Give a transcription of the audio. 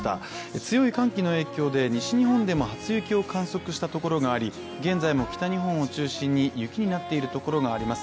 強い寒気の影響で西日本でも初雪を観測したところがあり現在も北日本を中心に雪になっているところがあります。